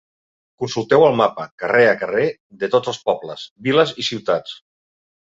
Consulteu el mapa, carrer a carrer, de tots els pobles, viles i ciutats.